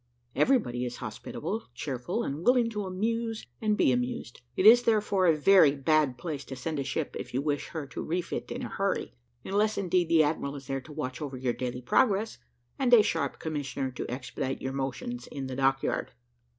Everybody is hospitable, cheerful, and willing to amuse and be amused. It is, therefore, a very bad place to send a ship to if you wish her to refit in a hurry, unless indeed the admiral is there to watch over your daily progress, and a sharp commissioner to expedite your motions in the dock yard.